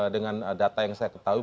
dengan data yang saya ketahui